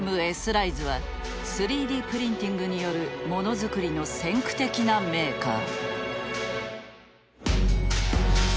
ライズは３Ｄプリンティングによるものづくりの先駆的なメーカー。